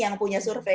yang punya survei